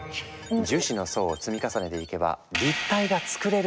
「樹脂の層を積み重ねていけば立体が作れる！！」